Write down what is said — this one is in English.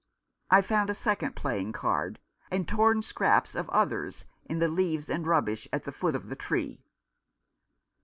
I found a second playing card and torn scraps of others in the leaves and rubbish at the foot of the tree.